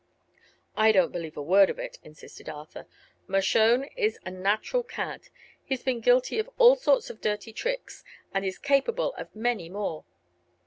"I don't believe a word of it," insisted Arthur. "Mershone is a natural cad; he's been guilty of all sorts of dirty tricks, and is capable of many more.